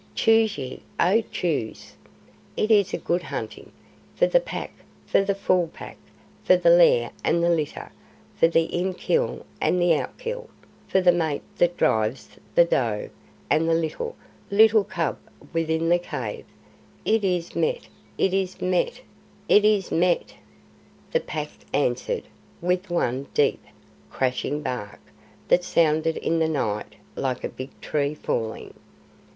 Choose ye, O choose. It is good hunting! For the Pack for the Full Pack for the lair and the litter; for the in kill and the out kill; for the mate that drives the doe and the little, little cub within the cave; it is met! it is met! it is met!" The Pack answered with one deep, crashing bark that sounded in the night like a big tree falling.